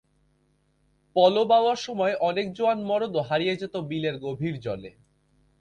পলো বাওয়ার সময় অনেক জোয়ান মরদও হারিয়ে যেত বিলের গভীর জলে।